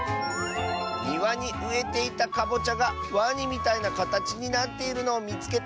「にわにうえていたカボチャがワニみたいなかたちになっているのをみつけた！」。